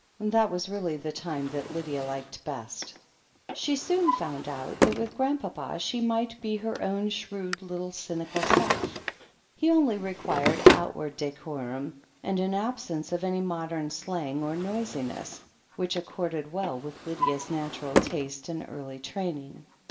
That was really the time that Lydia liked best. She soon found out that with Grandpapa she might be her own shrewd, little cynical self. He only required outward decorum and an absence of any modem slang or noisiness, which accorded well with Lydia's natural taste and early training.